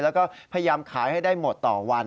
แล้วก็พยายามขายให้ได้หมดต่อวัน